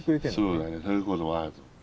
そうだねそういうこともあると思う。